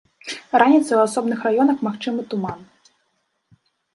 Раніцай у асобных раёнах магчымы туман.